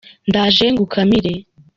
ndaje ngukamire.